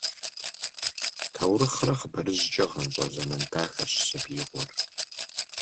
Таурыхърэ хъыбарыжькӀэ гъэнщӀа зэман дахэщ сабиигъуэр.